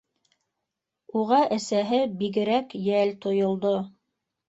Уға әсәһе бигерәк йәл тойолдо.